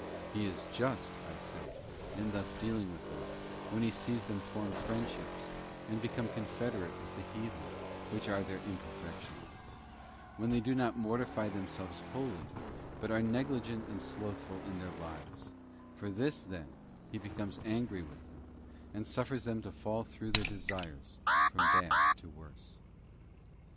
He is just, I say, in thus dealing with them, when he sees them form friendships, and become confederate with the heathen, which are their imperfections; when they do not mortify themselves wholly, but are negligent and slothful in their lives: for this, then, He becomes angry with them, and suffers them to fall through their desires from bad to worse.